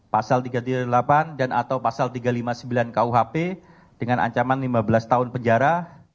pasal tiga ratus tiga puluh delapan dan atau pasal tiga ratus lima puluh sembilan kuhp dengan ancaman lima belas tahun penjara